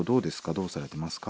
どうされてますか？